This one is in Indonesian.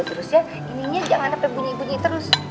terusnya ininya jangan sampai bunyi bunyi terus